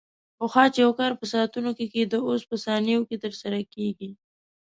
پخوا چې یو کار په ساعتونو کې کېده، اوس په ثانیو کې ترسره کېږي.